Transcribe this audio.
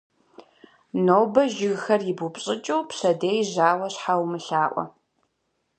Нобэ жыгхэр ибупщӀыкӀу, пщэдей жьауэ щхьа умылъаӀуэ.